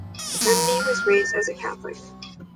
Rimini was raised as a Catholic.